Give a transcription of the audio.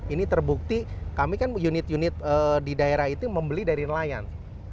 ini terbukti kami kan unit unit di daerah itu membeli dari nelayan